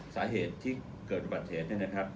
สาเหตุที่เกิดบัตรเหตุ